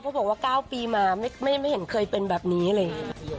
บอกว่า๙ปีมาไม่เห็นเคยเป็นแบบนี้เลย